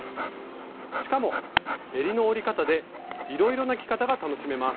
しかもえりの折り方でいろいろな着方が楽しめます。